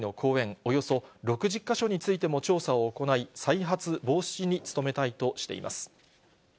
およそ６０か所についても調査を行い、再発防止に努めたいとしています。